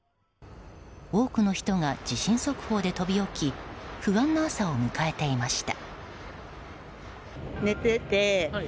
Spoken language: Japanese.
多くの人が地震速報で飛び起き不安な朝を迎えていました。